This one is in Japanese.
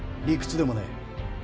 理屈でもねえ。